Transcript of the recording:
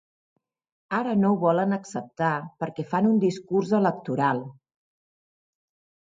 Ara no ho volen acceptar perquè fan un discurs electoral.